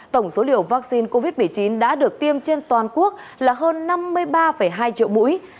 tổng số liều vaccine covid một mươi chín đã được tiêm trên toàn quốc là hơn năm mươi ba hai triệu mũi